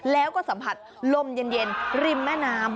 แล้วก็สัมผัสลมเย็นริมแม่น้ำ